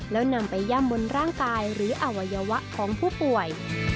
แล้วนำไปย่ำบนร่างกายหรืออวัยวะของผู้ป่วย